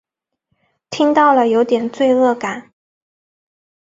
听到了有点罪恶感